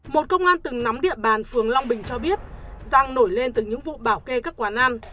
một công an từng nắm địa bàn phường long bình cho biết giang nổi lên từ những vụ bảo kê các quán ăn